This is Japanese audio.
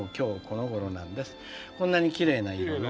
こんなにきれいな色よ。